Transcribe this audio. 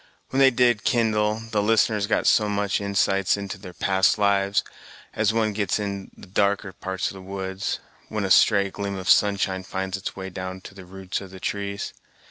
When they did kindle, the listeners got some such insights into their past lives, as one gets into the darker parts of the woods, when a stray gleam of sunshine finds its way down to the roots of the trees.